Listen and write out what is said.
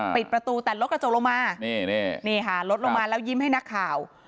ปิดประตูแต่ลดกระจกลงมานี่นี่ค่ะลดลงมาแล้วยิ้มให้นักข่าว